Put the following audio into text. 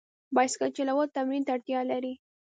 بایسکل چلول تمرین ته اړتیا لري.